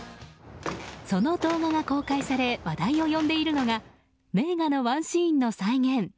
その動画が公開され話題を呼んでいるのが名画のワンシーンの再現。